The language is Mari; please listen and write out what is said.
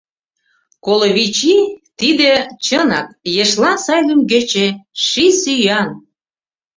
— Коло вич ий — тиде, чынак, ешлан сай лӱмгече: ший сӱан!